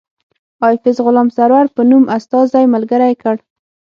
ایفز غلام سرور په نوم استازی ملګری کړ.